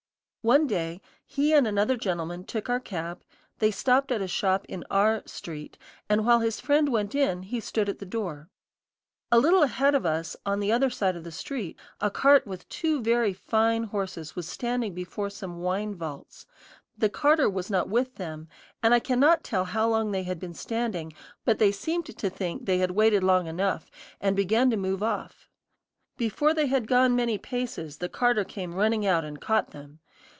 One day, he and another gentleman took our cab; they stopped at a shop in R Street, and while his friend went in, he stood at the door. A little ahead of us on the other side of the street, a cart with two very fine horses was standing before some wine vaults; the carter was not with them, and I cannot tell how long they had been standing, but they seemed to think they had waited long enough, and began to move off. Before they had gone, many paces, the carter came running out and caught them.